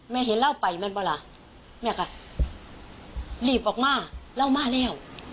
เห็นเหล้าไปมันป่ะล่ะแม่ก็รีบออกมาเล่ามาแล้ว